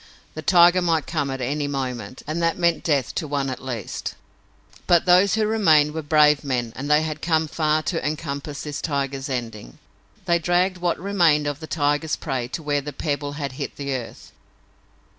The tiger might come at any moment, and that meant death to one at least. But those who remained were brave men and they had come far to encompass this tiger's ending. They dragged what remained of the tiger's prey to where the pebble had hit the earth.